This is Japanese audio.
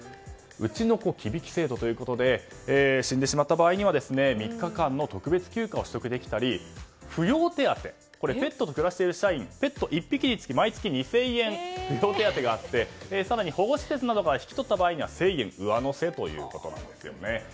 うちの子忌引き制度ということで死んでしまった場合は３日間の特別休暇を取得できたり扶養手当、ペットと暮らす社員はペット１匹につき毎月２０００円の扶養手当があり更に保護施設などから引き取った場合は１０００円上乗せということなんです。